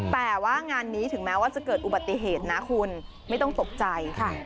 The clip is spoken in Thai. แต่ว่างานนี้ถึงแม้ว่าจะเกิดอุบัติเหตุนะคุณไม่ต้องตกใจ